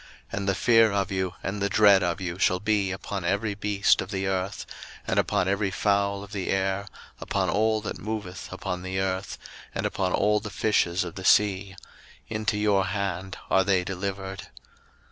01:009:002 And the fear of you and the dread of you shall be upon every beast of the earth, and upon every fowl of the air, upon all that moveth upon the earth, and upon all the fishes of the sea; into your hand are they delivered.